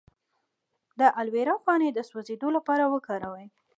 د الوویرا پاڼې د سوځیدو لپاره وکاروئ